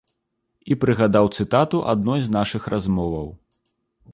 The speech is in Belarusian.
І прыгадаў цытату адной з нашых размоваў.